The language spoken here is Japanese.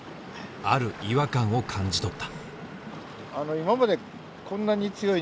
ある違和感を感じ取った。